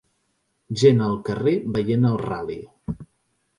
Gent al carrer veient el ral·li